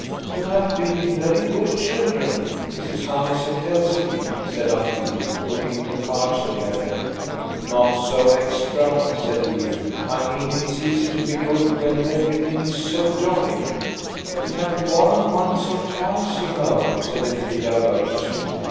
"You have been very good children, Mrs. Honeysett tells me," said Aunt Edith, putting the cards together. "Not so extra," said Edred; "I mean it's easy to be good when everything's so jolly." "We have quarrelled once or twice, you know," said Elfrida virtuously.